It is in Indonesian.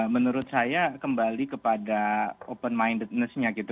menurut saya kembali kepada open mindednessnya gitu